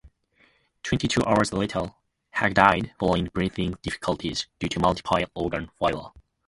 Twenty-two hours later, Hug died following breathing difficulties due to multiple organ failure.